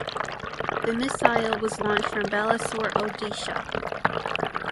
The missile was launched from Balasore, Odisha.